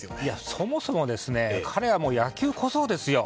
そもそも、彼は野球小僧ですよ。